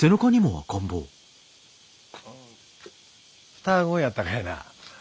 双子やったかいな？